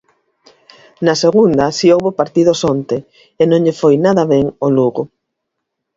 Na segunda si houbo partidos onte e non lle foi nada ben ao Lugo.